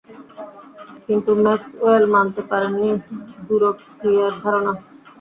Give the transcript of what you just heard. কিন্তু ম্যাক্সওয়েল মানতে পারেননি দূরক্রিয়ার ধারণা।